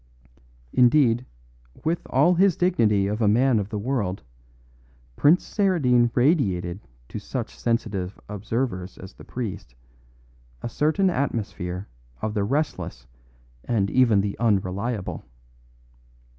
Indeed, with all his dignity of a man of the world, Prince Saradine radiated to such sensitive observers as the priest, a certain atmosphere of the restless and even the unreliable.